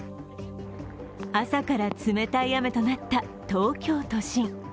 朝から冷たい雨となった東京都心。